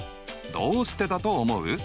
どうしてだと思う？